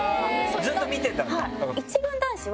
ずっと見てたんだ。